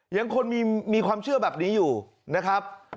ยังคงมีความเชื่อแบบนี้อยู่นะครับ